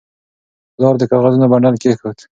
پلار د کاغذونو بنډل کېښود.